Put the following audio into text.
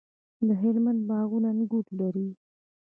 د هلمند باغونه انګور لري.